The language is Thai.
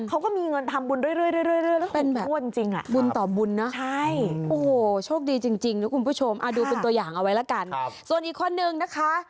เอาไว้แล้วกันส่วนอีกข้อนึงนะคะ